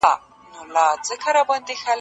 آيا د مېرمني مزاج پېژندل اړين کار دی؟